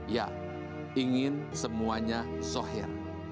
ya ingin semuanya sohir